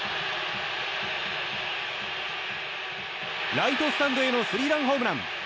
ライトスタンドへのスリーランホームラン！